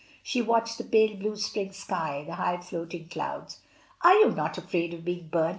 She watched the pale blue spring sky, the high floating clouds. "Are you not afraid of being burnt?"